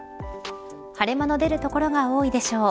晴れ間の出る所が多いでしょう。